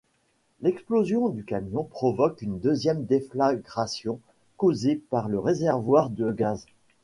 L'explosion du camion provoque une deuxième déflagration, causée par un réservoir de gaz.